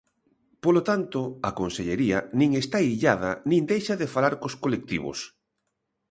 Polo tanto, a Consellería nin está illada nin deixa de falar cos colectivos.